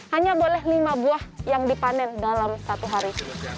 hanya boleh lima buah yang dipanen dalam satu hari